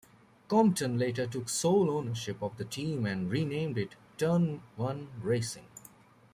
Compton later took sole ownership of the team and renamed it Turn One Racing.